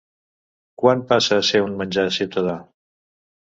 Quan passa a ser un menjar ciutadà?